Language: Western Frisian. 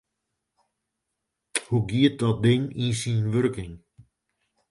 Hoe giet dat ding yn syn wurking?